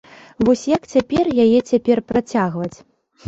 Вось як цяпер яе цяпер працягваць.